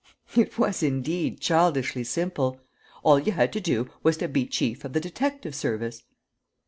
It was, indeed, childishly simple: all you had to do was to be chief of the detective service.